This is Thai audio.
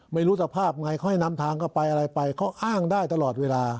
เค้าให้นำทางกลับไปอะไรไปเค้าอ้างราวได้ตลอดเวลา